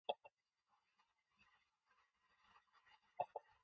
The Malaysian edition of "Her World"'s logo is different from other edition.